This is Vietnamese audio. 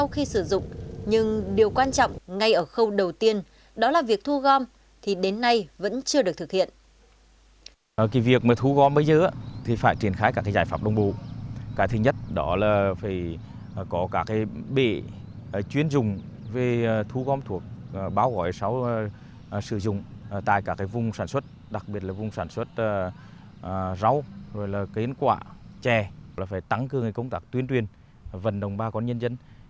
khi sử dụng nhưng điều quan trọng ngay ở khâu đầu tiên đó là việc thu gom thì đến nay vẫn chưa được thực hiện